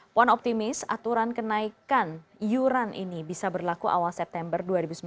puan optimis aturan kenaikan iuran ini bisa berlaku awal september dua ribu sembilan belas